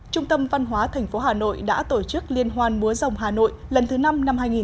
trung tâm văn hóa thành phố hà nội đã tổ chức liên hoan múa dòng hà nội lần thứ năm năm hai nghìn một mươi chín